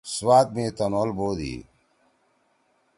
سوات می تنول بودی۔